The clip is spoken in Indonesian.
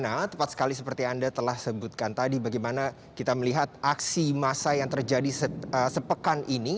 nah tepat sekali seperti anda telah sebutkan tadi bagaimana kita melihat aksi massa yang terjadi sepekan ini